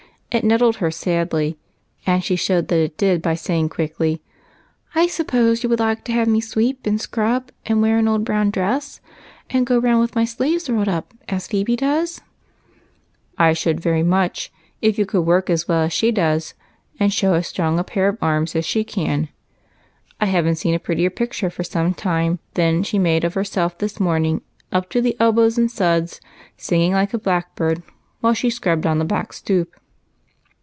It nettled her sadly, and she showed that it did by saying quickly,— " I suj^pose you would like to have me sweep and scrub, and wear an old brown dress, and go round with my sleeves rolled up, as Phebe does ?"" I should very much, if you could work as well as she does, and show as strong a pair of arms as she can. I have n't seen a prettier picture for some time than she made of herself this morning, up to the elbows in suds, singing like a blackbird while she scrubbed on the back stoop."